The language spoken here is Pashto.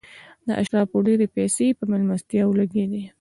د اشرافو ډېرې پیسې په مېلمستیاوو لګېدې.